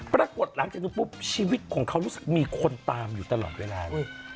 ปรากฏหลังจากนี้ปุ๊บชีวิตของเขารู้สึกมีคนตามอยู่ตลอดเวลา